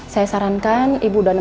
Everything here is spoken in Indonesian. saya sarankan ibu dan